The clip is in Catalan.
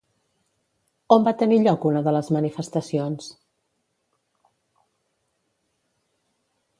On va tenir lloc una de les manifestacions?